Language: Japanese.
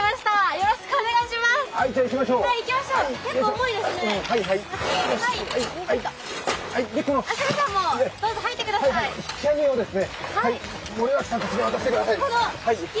よろしくお願いします。